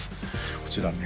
こちらね